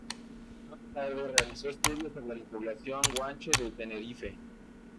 Más tarde, realizó estudios sobre la población guanche de Tenerife.